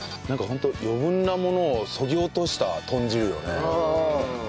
ホント余分なものをそぎ落とした豚汁よね。